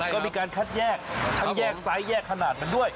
ก็มีการคัดแยกทั้งแยกซ้ายแยกขนาดมันด้วย